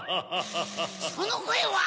・そのこえは！